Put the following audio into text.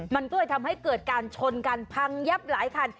มันก็เลยทำให้เกิดการชนกันพังยับหลายคัน